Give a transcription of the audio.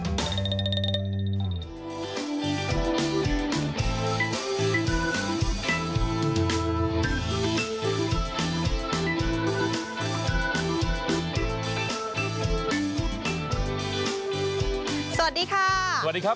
สวัสดีค่ะสวัสดีครับ